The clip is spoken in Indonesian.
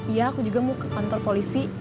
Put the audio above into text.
iya aku juga mau ke kantor polisi